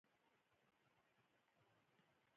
• ژړا کول د زړه د سپکولو یوه غوره لاره ده.